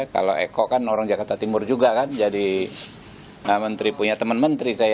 kalau eko kan orang jakarta timur juga kan jadi punya teman menteri saya